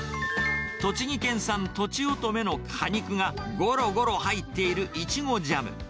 栃木県産とちおとめの果肉がごろごろ入っているいちごジャム。